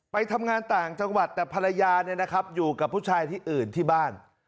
ไปทำงานต่างจังหวัดแต่ภรรยาอยู่กับผู้ชายที่อื่นที่บ้าน